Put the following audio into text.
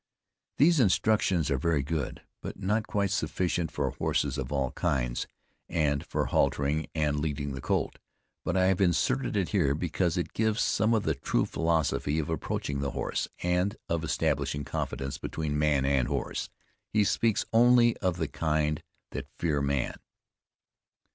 These instructions are very good, but not quite sufficient for horses of all kinds, and for haltering and leading the colt; but I have inserted it here, because it gives some of the true philosophy of approaching the horse, and of establishing confidence between man and horse. He speaks only of the kind that fear man.